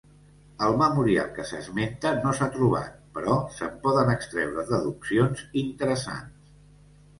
El memorial que s’esmenta no s’ha trobat, però se’n poden extreure deduccions interessants.